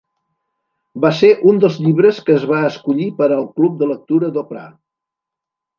Va ser un dels llibres que es va escollir per al Club de lectura d'Oprah.